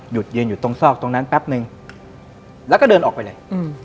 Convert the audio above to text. ยืนอยู่ตรงซอกตรงนั้นแป๊บนึงแล้วก็เดินออกไปเลย